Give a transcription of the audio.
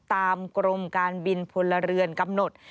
กรมการบินพลเรือนกำหนด